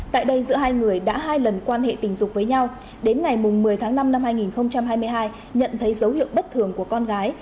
tại đây giữa hai người đã hai lần quan hệ tình dục với nhau đến ngày một mươi tháng năm năm hai nghìn hai mươi hai nhận thấy dấu hiệu bất thường của con gái